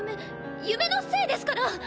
夢のせいですから。